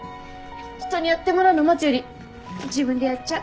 人にやってもらうの待つより自分でやっちゃう。